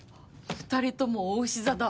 ２人とも、おうし座だ。